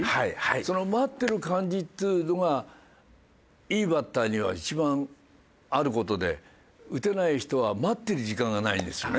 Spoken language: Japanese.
その待ってる感じっていうのがいいバッターには一番ある事で打てない人は待ってる時間がないんですよね。